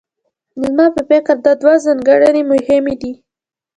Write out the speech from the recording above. زما په فکر دا دوه ځانګړنې مهمې دي.